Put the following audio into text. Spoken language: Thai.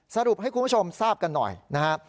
สรุปให้คุณผู้ชมทราบกันหน่อยนะครับ